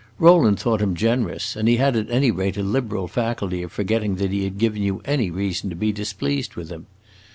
Rowland thought him generous, and he had at any rate a liberal faculty of forgetting that he had given you any reason to be displeased with him.